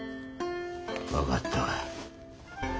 分かったわ。